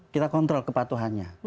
kita kontrol kepatuhannya